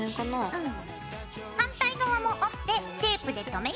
うん。